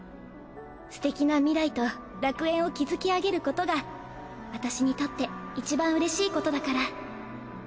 すてきな未来と楽園を築き上げることが私にとっていちばんうれしいことだから。